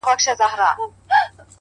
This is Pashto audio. څه مسته نسه مي پـــه وجود كي ده!!